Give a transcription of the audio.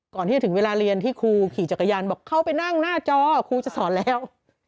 ก่อนที่จะถึงเวลาเรียนที่ครูขี่จักรยานบอกเข้าไปนั่งหน้าจอครูจะสอนแล้ว